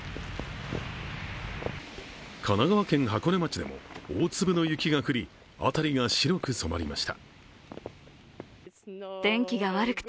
神奈川県箱根町でも大粒の雪が降り、辺りが白く染まりました。